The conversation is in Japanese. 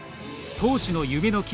投手の夢の記録